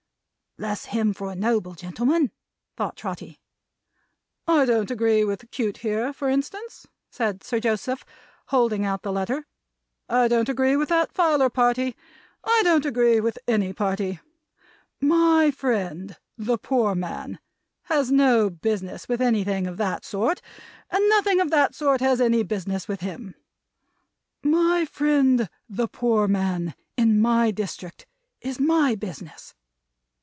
"Bless him for a noble gentleman!" thought Trotty. "I don't agree with Cute here, for instance," said Sir Joseph, holding out the letter. "I don't agree with the Filer party. I don't agree with any party. My friend, the Poor Man, has no business with any thing of that sort, and nothing of that sort has any business with him. My friend, the Poor Man, in my district, is my business.